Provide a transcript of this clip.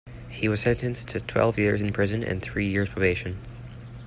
He was sentenced to twelve years in prison and three years probation.